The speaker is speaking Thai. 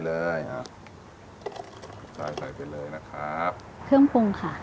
เครื่องพรุงค่ะ